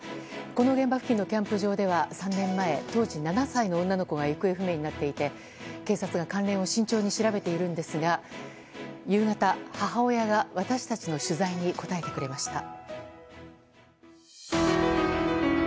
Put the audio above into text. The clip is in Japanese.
この現場付近のキャンプ場では３年前、当時７歳の女の子が行方不明になっていて警察が関連を慎重に調べているんですが夕方、母親が私たちの取材に答えてくれました。